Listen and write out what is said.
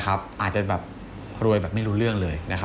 อาจจะแบบรวยแบบไม่รู้เรื่องเลย